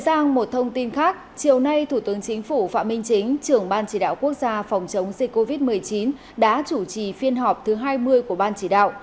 chuyển sang một thông tin khác chiều nay thủ tướng chính phủ phạm minh chính trưởng ban chỉ đạo quốc gia phòng chống dịch covid một mươi chín đã chủ trì phiên họp thứ hai mươi của ban chỉ đạo